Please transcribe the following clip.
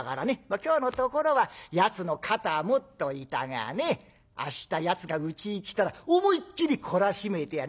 今日のところはやつの肩持っといたがね明日やつがうちに来たら思いっきり懲らしめてやる。